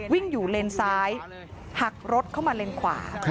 วิ่งอยู่เลนซ้ายหักรถเข้ามาเลนขวา